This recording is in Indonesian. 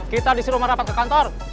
kita disuruh merapatkan kantor